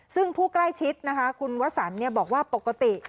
ซึ่งผู้ใกล้ชิดนะคะคุณวสันบอกว่าปกติ